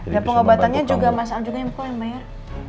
dan pengobatannya juga mas al juga yang pulang bayar